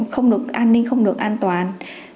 không được an ninh không được an toàn